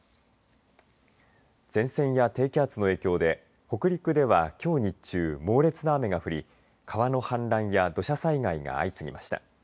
前線や低気圧の影響で北陸ではきょう日中、猛烈な雨が降り川の氾濫や土砂災害が相次ぎました。